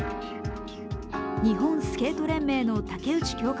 日本スケート連盟の竹内強化